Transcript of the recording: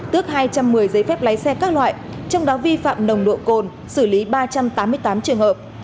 tước hai trăm một mươi giấy phép lái xe các loại trong đó vi phạm nồng độ cồn xử lý ba trăm tám mươi tám trường hợp